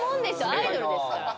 アイドルですから。